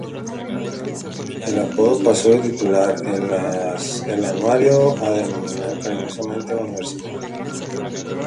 El apodo paso de titular el anuario a denominar cariñosamente a la universidad.